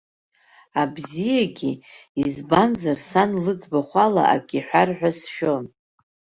Абзиагьы, избанзар сан лыӡбахә ала акы иҳәар ҳәа сшәон.